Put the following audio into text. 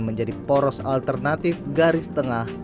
menjadi poros alternatif garis tengah